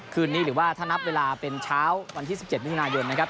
คืนนี้หรือว่าถ้านับเวลาเป็นเช้าวันที่๑๗มิถุนายนนะครับ